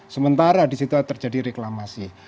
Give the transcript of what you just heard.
sementara di situ terjadi reklamasi